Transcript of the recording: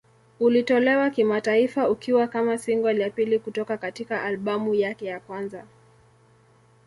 Ulitolewa kimataifa ukiwa kama single ya pili kutoka katika albamu yake ya kwanza.